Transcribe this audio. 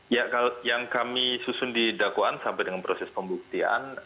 ya yang kami susun didakwaan sampai dengan proses pembuktian